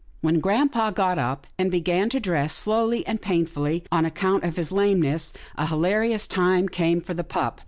When grampa got up, and began to dress slowly and painfully, on account of his lameness, a hila rious time came for the pup.